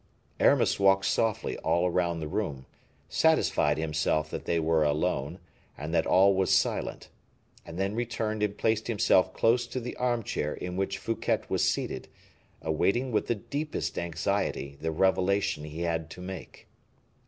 Aramis walked softly all round the room, satisfied himself that they were alone, and that all was silent, and then returned and placed himself close to the armchair in which Fouquet was seated, awaiting with the deepest anxiety the revelation he had to make.